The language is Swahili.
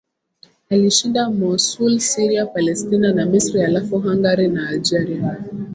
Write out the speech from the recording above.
alishinda Mosul Syria Palestina na Misri halafu Hungary na Algeria